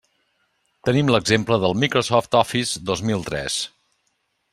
Tenim l'exemple del Microsoft Office dos mil tres.